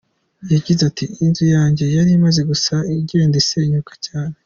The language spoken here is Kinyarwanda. Yagize ati “Inzu yanjye yari imaze gusaza igenda isenyuka cyane.